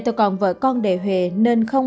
tôi còn vợ con đề hề nên không